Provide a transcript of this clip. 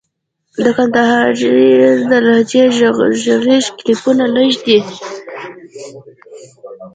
د کندهار د لهجې ږغيز کليپونه لږ دي.